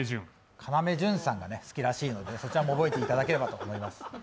要潤さんが好きらしいのでそちらも覚えていただければと思います。